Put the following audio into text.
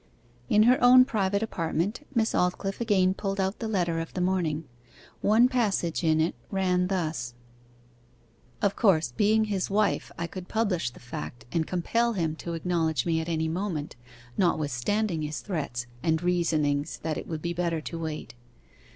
In her own private apartment Miss Aldclyffe again pulled out the letter of the morning. One passage in it ran thus: 'Of course, being his wife, I could publish the fact, and compel him to acknowledge me at any moment, notwithstanding his threats, and reasonings that it will be better to wait.